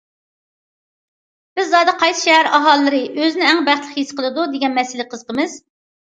بىز زادى قايسى شەھەر ئاھالىلىرى ئۆزىنى ئەڭ بەختلىك ھېس قىلىدۇ؟ دېگەن مەسىلىگە قىزىقىمىز.